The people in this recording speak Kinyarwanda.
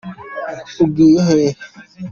Ugiye hehe?